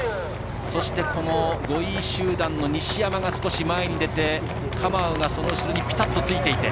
そして、５位集団の西山が少し前に出て、カマウがその後ろにピタッとついていて。